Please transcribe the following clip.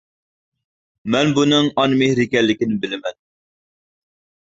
مەن بۇنىڭ ئانا مېھرى ئىكەنلىكىنى بىلىمەن.